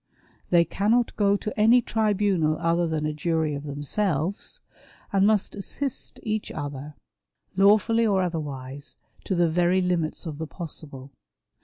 They cannot go to any tribunal other than a jury of themselves, and must assist each other, lawfully or otherwise, to the " very limits of the possible."